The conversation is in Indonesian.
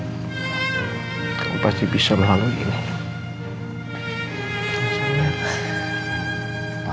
papa pasti kuat